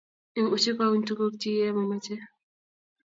Imuchi ko uny tuguk chi ye mamachei